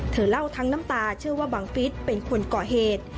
เธอเล่าทั้งน้ำตาเชื่อว่าบังฟิศเป็นคนก่อเหตุ